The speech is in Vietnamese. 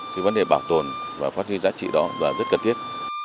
cái vấn đề bảo tồn và phát huy giá trị đó là rất cần thiết